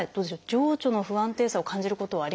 情緒の不安定さを感じることはありますか？